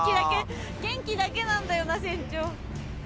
元気だけなんだよな船長。